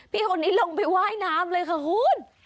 พี่คนนี้ลงไปว่ายน้ำเลยค่ะคุณ